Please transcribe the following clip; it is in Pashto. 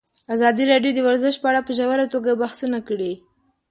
ازادي راډیو د ورزش په اړه په ژوره توګه بحثونه کړي.